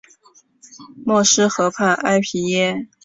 默斯河畔埃皮耶。